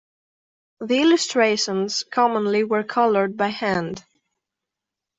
The illustrations commonly were colored by hand.